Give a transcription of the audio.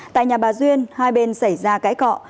tại nhà bà duyên hai bên xảy ra cãi cọ